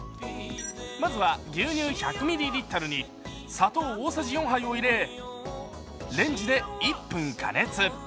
まずは牛乳１００ミリリットルに砂糖大さじ４杯を入れ、レンジで１分加熱。